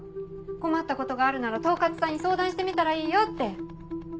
困ったことがあるなら統括さんに相談してみたらいいよって。